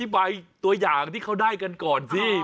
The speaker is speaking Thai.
สุดยอดน้ำมันเครื่องจากญี่ปุ่น